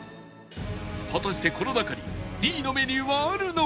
果たしてこの中に２位のメニューはあるのか？